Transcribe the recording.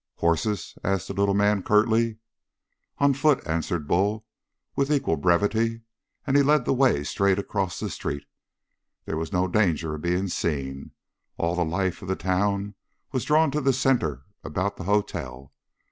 "Hosses?" asked the little man curtly. "On foot," answered Bull with equal brevity, and he led the way straight across the street. There was no danger of being seen. All the life of the town was drawn to a center about the hotel.